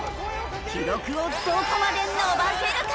記録をどこまで伸ばせるか！？